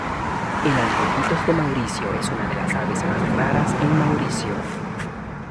El anteojitos de Mauricio es una de las aves más raras en Mauricio.